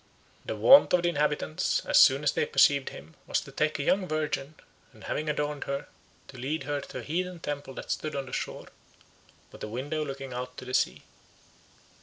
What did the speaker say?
The wont of the inhabitants, as soon as they perceived him, was to take a young virgin, and, having adorned her, to lead her to a heathen temple that stood on the shore, with a window looking out to sea.